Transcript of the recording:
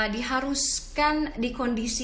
diharuskan di kondisi